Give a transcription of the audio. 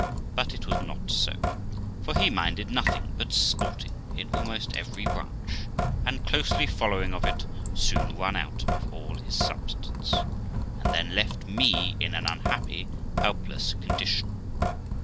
But it was not so, for he minded nothing but sporting, in almost every branch; and, closely following of it soon run out all his substance, and then left me in an unhappy, helpless condition.